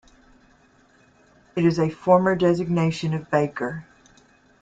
It is a former designation of baker.